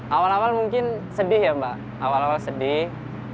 awal awal mungkin sedih ya mbak awal awal sedih